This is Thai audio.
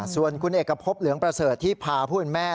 ส่วนคุณเอกพบเหลืองประเสริฐที่พาผู้เป็นแม่